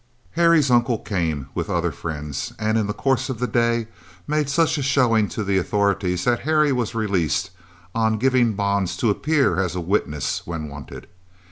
Harry's uncle came, with other friends, and in the course of the day made such a showing to the authorities that Harry was released, on giving bonds to appear as a witness when wanted.